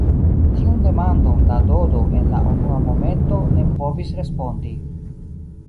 Tiun demandon la Dodo en la unua momento ne povis respondi.